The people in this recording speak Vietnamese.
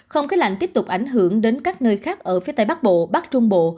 không khí lạnh tiếp tục ảnh hưởng đến các nơi khác ở phía tây bắc bộ bắc trung bộ